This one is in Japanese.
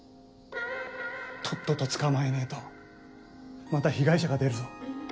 とっとと捕まえねえとまた被害者が出るぞ。